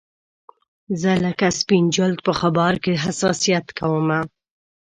زه لکه سپین جلد په غبار کې حساسیت کومه